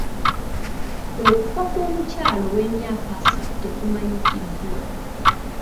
Okufa kw'omukyala ow'emyaka asatu tekumanyikiddwa.